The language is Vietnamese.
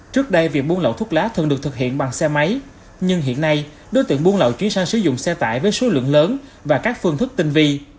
trước đây việc buôn lậu thuốc lá thường được thực hiện bằng xe máy nhưng hiện nay đối tượng buôn lậu chuyển sang sử dụng xe tải với số lượng lớn và các phương thức tinh vi